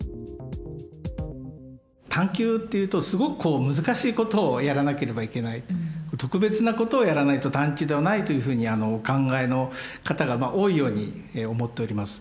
探究って言うとすごくこう難しいことをやらなければいけない特別なことをやらないと探究ではないというふうにお考えの方が多いように思っております。